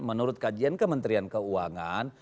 menurut kajian kementerian keuangan